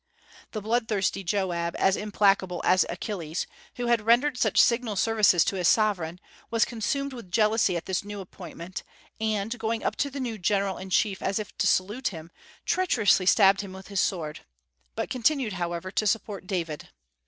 The bloodthirsty Joab, as implacable as Achilles, who had rendered such signal services to his sovereign, was consumed with jealousy at this new appointment, and going up to the new general in chief as if to salute him, treacherously stabbed him with his sword, but continued, however, to support David.